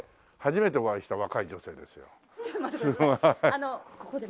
あのここで？